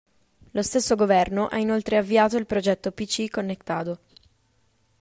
Lo stesso governo ha inoltre avviato il progetto PC Conectado.